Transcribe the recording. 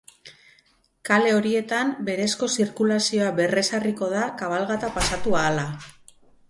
Kale horietan berezko zirkulazioa berrezarriko da kabalgata pasatu ahala.